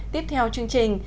tiếp theo chương trình